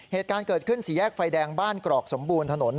เหตุการณ์เกิดขึ้นสี่แยกไฟแดงบ้านกรอกสมบูรณ์ถนน